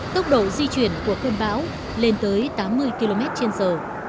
tốc độ di chuyển của cơn bão lên tới tám mươi km trên giờ